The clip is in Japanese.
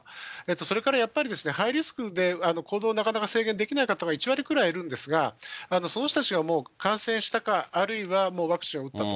それからやっぱりハイリスクで行動なかなか制限できない方が、１割ぐらいいるんですが、その人たちがもう感染したか、あるいはもうワクチンを打ったと。